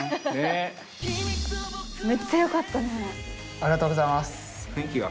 ありがとうございます。